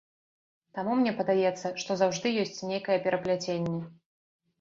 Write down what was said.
Таму мне падаецца, што заўжды ёсць нейкае перапляценне.